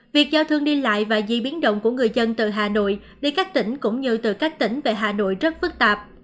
việc giao thương đi lại và di biến động của người dân từ hà nội đi các tỉnh cũng như từ các tỉnh về hà nội rất phức tạp